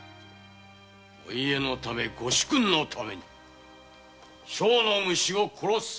お家のためご主君のため小の虫を殺す。